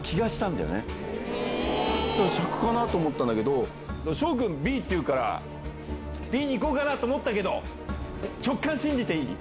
だから笏かなと思ったんだけど紫耀くんＢって言うからＢに行こうかと思ったけど直感信じていい？